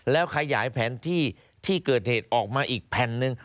แล้วขยายแผนที่ที่เกิดเหตุออกมาอีกแผ่นหนึ่ง